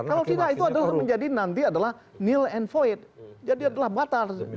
kalau tidak itu nanti menjadi nil and void jadi adalah batas demi hukum